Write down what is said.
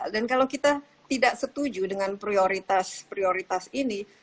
dan kalau kita tidak setuju dengan prioritas prioritas ini